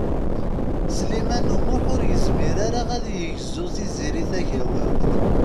Sliman U Muḥ ur yezmir ara ad yegzu Tiziri Tagawawt.